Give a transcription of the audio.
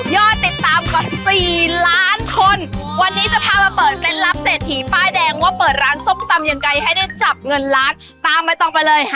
ยอดติดตามกว่าสี่ล้านคน